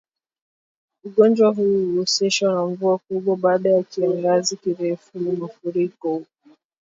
Ugonjwa huu huhusishwa na mvua kubwa baada ya kiangazi kirefu mafuriko